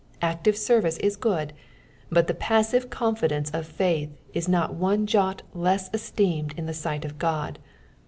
Active service is good, but the passive confldcnce of faith is not one jot less esteemed in the sight of God.